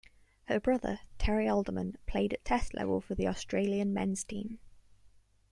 Her brother Terry Alderman played at Test level for the Australian men's team.